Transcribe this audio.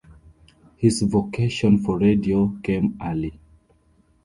His vocation for radio came early.